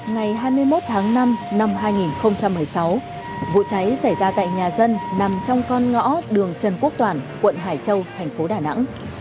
ngày hai mươi một tháng năm năm hai nghìn một mươi sáu vụ cháy xảy ra tại nhà dân nằm trong con ngõ đường trần quốc toản quận hải châu thành phố đà nẵng